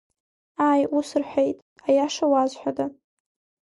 Ааи, ус рҳәеит, аиаша уазҳәода!